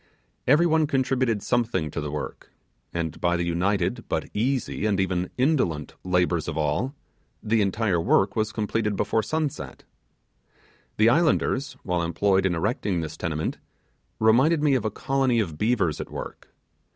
Every one contributed something to the work; and by the united, but easy, and even indolent, labours of all, the entire work was completed before sunset. The islanders, while employed in erecting this tenement, reminded me of a colony of beavers at work.